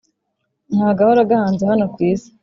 Nta gahora gahanze hano kwisi